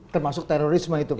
termasuk terorisme itu